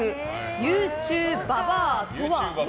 ユーチューババアとは。